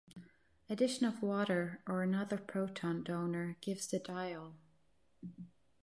Addition of water or another proton donor gives the diol.